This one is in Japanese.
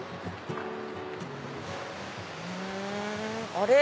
あれ？